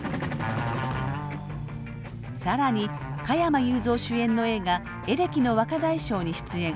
更に加山雄三主演の映画「エレキの若大将」に出演。